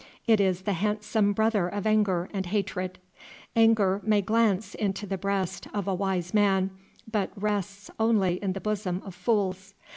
It is the handsome brother of anger and hatred. Anger may glance into the breast of a wise man, but rests only in the bosom of fools.